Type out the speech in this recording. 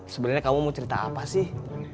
sebenarnya kamu mau cerita apa sih